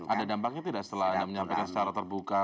ada dampaknya tidak setelah anda menyampaikan secara terbuka